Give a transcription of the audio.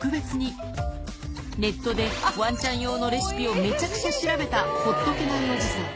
ネットでワンちゃん用のレシピをめちゃくちゃ調べたほっとけないおじさん。